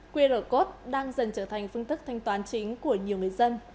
qr code đang dần trở thành phương thức thanh toán chính của nhiều người dân